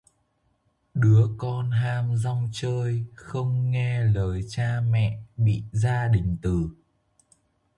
Đứa con ham rong chơi, không nghe lời cha mẹ bị gia đình từ